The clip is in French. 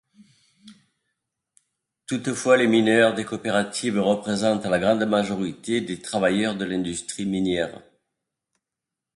Toutefois, les mineurs des coopératives représentent la grande majorité des travailleurs de l'industrie minière.